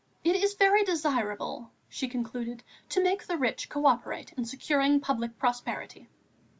"It is very desirable," she concluded, "to make the rich co operate in securing public prosperity."